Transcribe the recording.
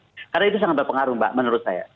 karena itu sangat berpengaruh mbak menurut saya